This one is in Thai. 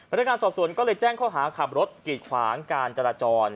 นักงานสอบสวนก็เลยแจ้งข้อหาขับรถกีดขวางการจราจร